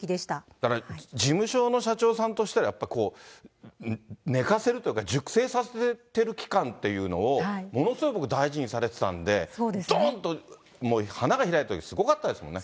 だから、事務所の社長さんとしてはやっぱり寝かせるっていうか、熟成させてる期間っていうのを、ものすごく大事にされてたんで、どーんと、もう花が開いたとき、すごかったですもんね。